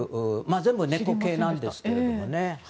全部ネコ科なんですけどね。